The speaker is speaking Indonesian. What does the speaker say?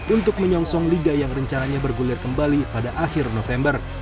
untuk menyongsong liga yang rencananya bergulir kembali pada akhir november